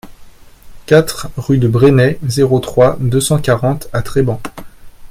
quatre rue de Bresnay, zéro trois, deux cent quarante à Treban